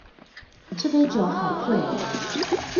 這杯酒好醉喔